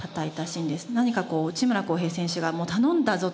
何かこう内村航平選手が頼んだぞと。